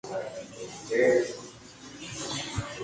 Tuvieron un hijo y una hija juntos.